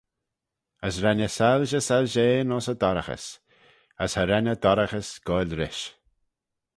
As ren y soilshey soilshean ayns y dorraghys, as cha ren y dorraghys goaill-rish.